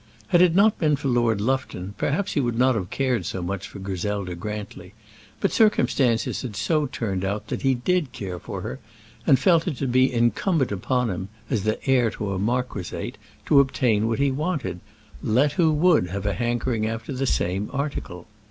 Had it not been for Lord Lufton, perhaps he would not have cared so much for Griselda Grantly; but circumstances had so turned out that he did care for her, and felt it to be incumbent upon him as the heir to a marquisate to obtain what he wanted, let who would have a hankering after the same article.